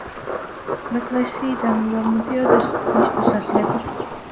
ამ ეკლესიიდან უნდა მოდიოდეს უბნის დასახელება.